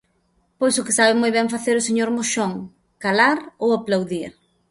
Pois o que sabe moi ben facer o señor Moxón: calar ou aplaudir.